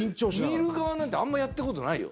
見る側なんてあんまやったことないよ。